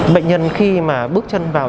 bệnh nhân khi mà bước chân vào